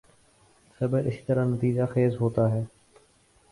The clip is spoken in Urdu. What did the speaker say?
صبر اسی طرح نتیجہ خیز ہوتا ہے۔